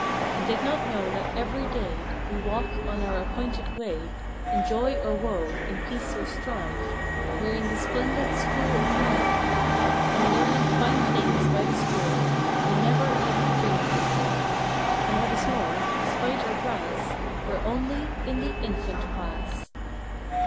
He did not know that every day We walk on our appointed way In joy or woe, in peace or strife, We re in the splendid School of Life, And learning fine things by the score We never even dreamed before, And what is more, despite our brass, We re only in the Infant Class!